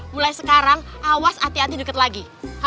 mulai sekarang awas hati hati deket lagi